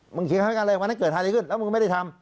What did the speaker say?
เมื่อนั้นเกิดอะไรขึ้นแล้วมึงไม่ได้ทำ